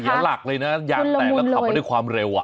มันเหลียร์หลักเลยนะยางแตกแล้วขับมาด้วยความเร็วอะ